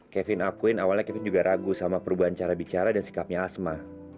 kevin akuin awalnya kita juga ragu sama perubahan cara bicara dan sikapnya asma